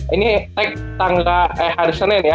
ini tag tangga eh hari senin ya